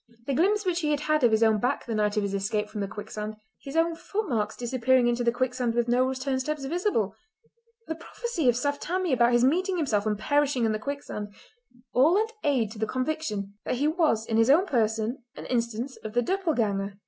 The glimpse which he had of his own back the night of his escape from the quicksand—his own footmarks disappearing into the quicksand with no return steps visible—the prophecy of Saft Tammie about his meeting himself and perishing in the quicksand—all lent aid to the conviction that he was in his own person an instance of the döppleganger.